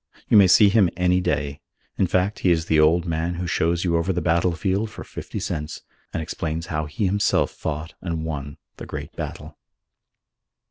You may see him any day. In fact, he is the old man who shows you over the battlefield for fifty cents and explains how he himself fought and won the great battle.